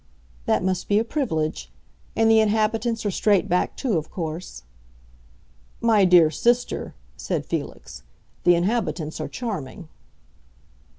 "That must be a privilege. And the inhabitants are straight backed too, of course." "My dear sister," said Felix, "the inhabitants are charming."